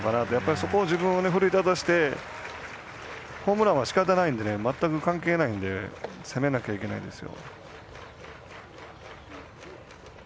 そこは自分を奮い立たせてホームランはしかたないので全く関係ないので攻めなきゃいけないですよ。